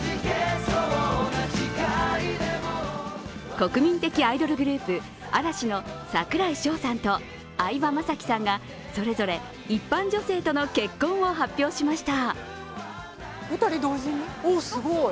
国民的アイドルグループ嵐の櫻井翔さんと相葉雅紀さんが、それぞれ一般女性との結婚を発表しました。